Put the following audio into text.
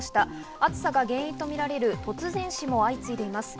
暑さが原因とみられる突然死も相次いでいます。